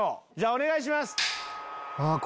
お願いします。